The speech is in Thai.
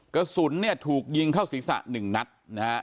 กระสุนเนี่ยถูกยิงเข้าศีรษะ๑นัดนะฮะ